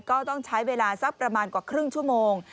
ก็ต้องใช้เวลาสักประมาณกว่าครึ่งชั่วโมง